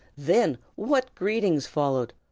Then, what greetings followed!